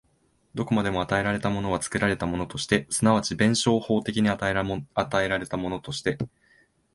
どこまでも与えられたものは作られたものとして、即ち弁証法的に与えられたものとして、